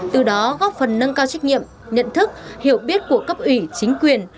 từ đó góp phần nâng cao trách nhiệm nhận thức hiểu biết của cấp ủy chính quyền